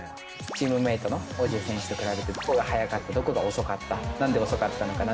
チームメートのオジェ選手と比べてどこが速かったどこが遅かったなんで遅かったのかな